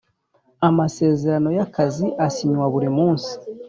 Amasezerano y ‘akazi asinywa burimunsi.